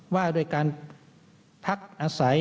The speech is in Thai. ว่าด้วยการพักอาศัย